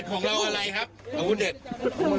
ถ้าหมอป๊าไม่หลับคุณชอบสิทธิ์คลุกเลย